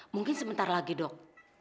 mungkin sebentar lagi dok